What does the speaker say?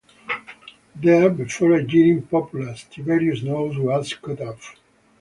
There, before a jeering populace, Tiberius's nose was cut off.